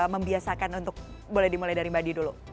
membiasakan untuk boleh dimulai dari mbadi dulu